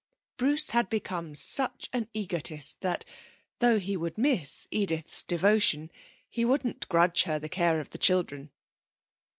Bruce had become such an egotist that, though he would miss Edith's devotion, he wouldn't grudge her the care of the children.